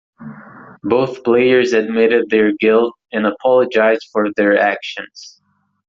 Both players admitted their guilt and apologised for their actions.